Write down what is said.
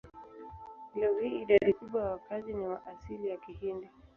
Leo hii idadi kubwa ya wakazi ni wa asili ya Kihindi.